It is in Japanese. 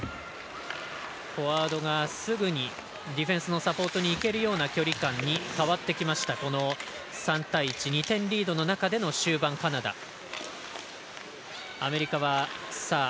フォワードがすぐにディフェンスのサポートに行けるような距離感に変わってきました、３対１２点リードの中の終盤のカナダ。